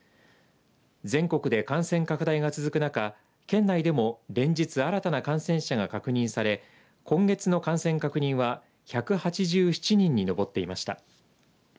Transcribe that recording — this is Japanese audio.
全国で感染拡大が続く中県内でも連日新たな感染者が確認され今月の感染確認は１８７人に上っていました。